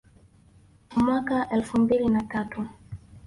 cha mwaka elfu mbili na tatu